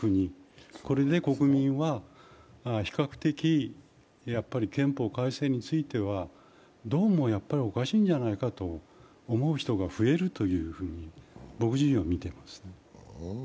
これで国民は、比較的、憲法改正については、どうもやっぱりおかしいんじゃないかと思う人が増えるというふうに僕自身は見てます。